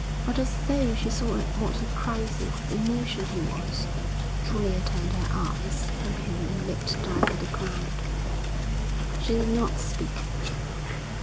But as though she saw at what a crisis of emotion he was, Julia turned her eyes from him and looked down at the ground. She did not speak.